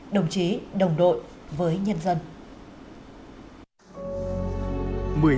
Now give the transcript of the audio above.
đồng chí trần duy hùng phó trưởng công an tp huế